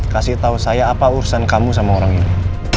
kasih tahu saya apa urusan kamu sama orang ini